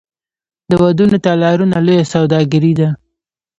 د ودونو تالارونه لویه سوداګري ده